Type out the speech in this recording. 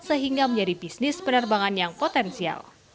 sehingga menjadi bisnis penerbangan yang potensial